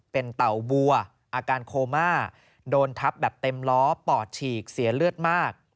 เป็นเต่าบัวอาการโคม่าโดนทับแบบเต็มล้อปอดฉีกเสียเลือดมาก